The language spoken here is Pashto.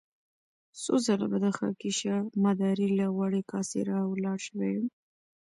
څو ځله به د خاکيشاه مداري له غوړې کاسې را ولاړ شوی يم.